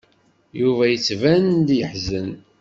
Yuba yettban-d yeḥzen.